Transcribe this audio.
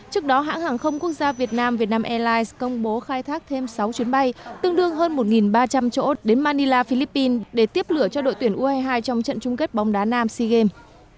trước đó hãng hàng không quốc gia việt nam vietnam airlines công bố khai thác thêm sáu chuyến bay tương đương hơn một ba trăm linh chỗ đến manila philippines để tiếp lửa cho đội tuyển u hai mươi hai trong trận chung kết bóng đá nam sea games